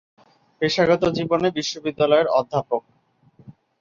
পেশাগত জীবনে বিশ্ববিদ্যালয়ের অধ্যাপক।